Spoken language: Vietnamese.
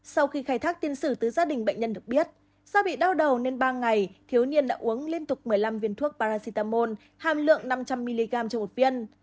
sau khi khai thác tiên sử từ gia đình bệnh nhân được biết do bị đau đầu nên ba ngày thiếu niên đã uống liên tục một mươi năm viên thuốc paracetamol hàm lượng năm trăm linh mg trên một viên